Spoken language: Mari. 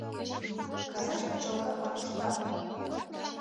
казашка чолга Акуштап...